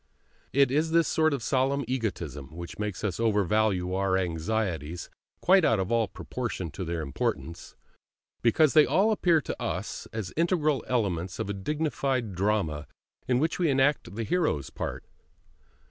It is this sort of solemn egotism which makes us overvalue our anxieties quite out of all proportion to their importance, because they all appear to us as integral elements of a dignified drama in which we enact the hero's part.